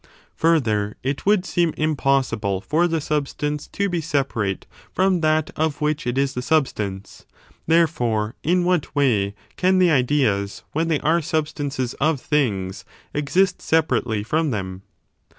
Further, it would seem impossible for the sub s. Forms con stance to be separate from that of which it is JJJitSy^from* the substance; therefore, in what way can the things. ideas, when they are substances of things, exist separately from them?